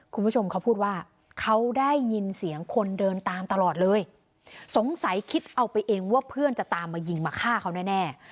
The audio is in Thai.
คุณผู้ชมเขาพูดว่าเขาได้ยินเสียงคนเดินตามตลอดเลยสงสัยคิดเอาไปเองว่าเพื่อนจะตามมายิงมาฆ่าเขาแน่